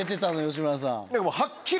吉村さん。